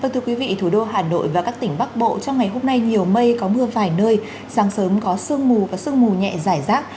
thưa quý vị thủ đô hà nội và các tỉnh bắc bộ trong ngày hôm nay nhiều mây có mưa vài nơi sáng sớm có sương mù và sương mù nhẹ dài rác